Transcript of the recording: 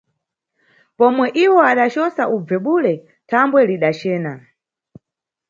Pomwe iwo adacosa ubve bule thambwe lidacena.